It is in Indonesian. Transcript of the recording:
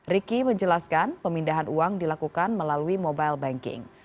riki menjelaskan pemindahan uang dilakukan melalui mobile banking